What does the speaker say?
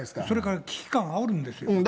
それから危機感はあるんですよ。